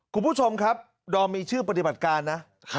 คุณผู้ชมครับดอมมีชื่อปฏิบัติการนะ